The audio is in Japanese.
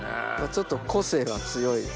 ちょっと個性は強い。